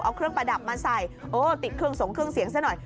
เอาเครื่องประดับมาใส่โอ้ติดเครื่องสงเครื่องเสียงซะหน่อย